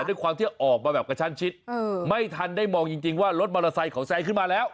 ด้วยความที่ออกมาแบบกระชั้นชิดไม่ทันได้มองจริงว่ารถมอเตอร์ไซค์เขาแซงขึ้นมาแล้ว